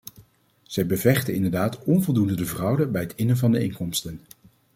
Zij bevechten inderdaad onvoldoende de fraude bij het innen van de inkomsten.